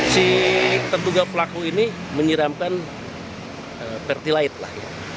si terduga pelaku ini menyiramkan pertilaite lah